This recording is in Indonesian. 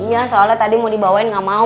iya soalnya tadi mau dibawain gak mau